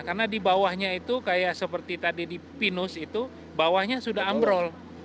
karena di bawahnya itu kayak seperti tadi di pinus itu bawahnya sudah ambro